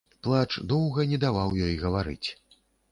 Плач доўга не даваў ёй гаварыць.